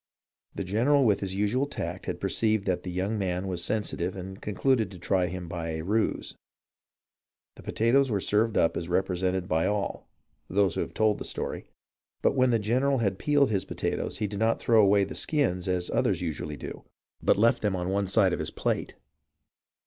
The general with his usual tact had perceived that the young man was sensitive and concluded to try him by a ruse. The potatoes were served up as repre sented by all [those who have told the story], but when the general had peeled his potatoes he did not throw away the skins as others usually do, but left them on one side 345 346 HISTORY OF THE AMERICAN REVOLUTION of his plate.